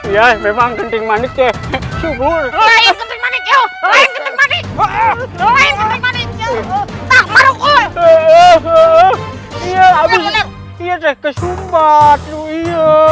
iya abis kesumbat iya